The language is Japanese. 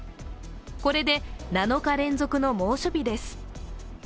これで７日連続の猛暑日です。